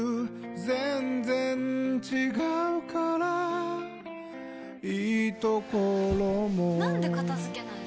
全然違うからいいところもなんで片付けないの？